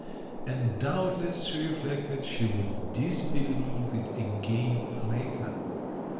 And doubtless, she reflected, she would dis believe it again later!